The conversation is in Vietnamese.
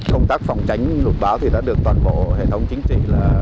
công tác phòng tránh đột báo thì đã được toàn bộ hệ thống chính trị